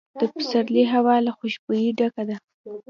د پسرلي هوا له خوشبویۍ ډکه ده.